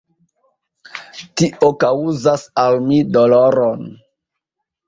Tio kaŭzas al mi doloron.